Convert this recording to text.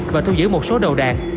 và thu giữ một số đầu đạn